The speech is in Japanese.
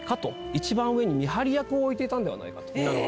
一番上に見張り役を置いていたんではないかと。